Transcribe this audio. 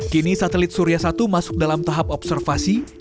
kini satelit surya satu masuk dalam tahap observasi